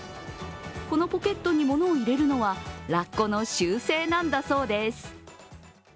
このポケットにものを入れるのはラッコの習性なんだそうです。